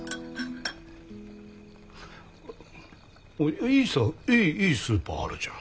いいさいいスーパーあるじゃん。